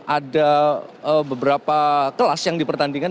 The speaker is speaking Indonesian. ada beberapa kelas yang dipertandingkan